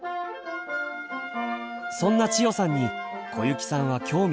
そんな千代さんに小雪さんは興味津々。